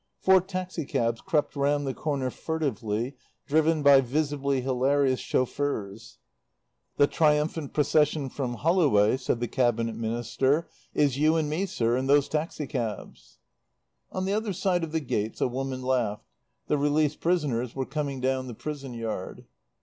Four taxi cabs crept round the corner furtively, driven by visibly hilarious chauffeurs. "The triumphant procession from Holloway," said the Cabinet Minister, "is you and me, sir, and those taxi cabs." On the other side of the gates a woman laughed. The released prisoners were coming down the prison yard.